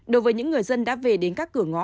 đối với những người dân đã về đến các cửa ngõ